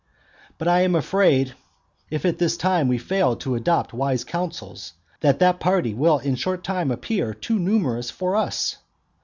But I am afraid, if at this time we fail to adopt wise counsels, that that party will in a short time appear too numerous for us.